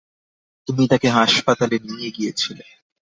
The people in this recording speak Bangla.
তুমি তাকে হাসপাতালে নিয়ে গিয়েছিলে।